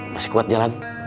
masih kuat jalan